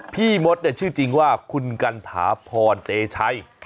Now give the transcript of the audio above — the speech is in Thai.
พี่มดเนี่ยชื่อจริงว่าคุณกัณฑาพรเตชัย